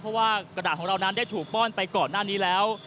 เพราะว่ากระดาษของเรานั้นได้ถูกป้อนไปก่อนหน้านี้แล้ว